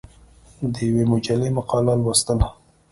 د یوې مجلې مقاله لوستله.